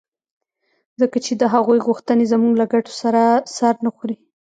ځکه چې د هغوی غوښتنې زموږ له ګټو سره سر نه خوري.